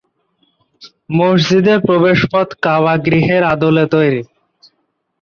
মসজিদের প্রবেশপথ কাবা গৃহের আদলে তৈরী।